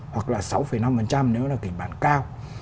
hoặc là sáu năm nếu là kịch bản cao